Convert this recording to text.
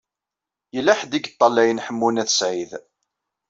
Yella ḥedd i yeṭṭalayen Ḥemmu n At Sɛid.